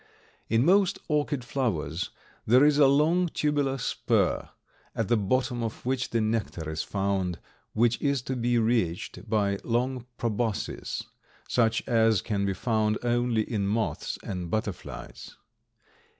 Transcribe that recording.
In most orchid flowers there is a long tubular spur, at the bottom of which the nectar is found, which is to be reached by long probosces, such as can be found only in moths and butterflies.